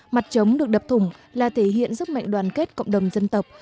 mặt chống được đập thủng là thể hiện sức mạnh đoàn kết cộng đồng dân tộc